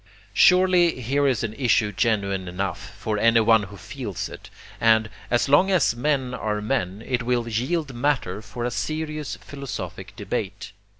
Surely here is an issue genuine enough, for anyone who feels it; and, as long as men are men, it will yield matter for a serious philosophic debate.